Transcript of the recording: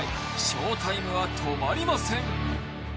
ショータイムは止まりません。